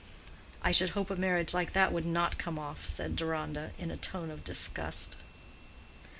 "I should hope a marriage like that would not come off," said Deronda, in a tone of disgust.